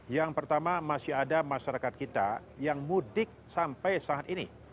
yang pertama masih ada masyarakat kita yang mudik sampai saat ini